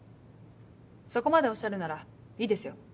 そこまでおっしゃるならいいですよ。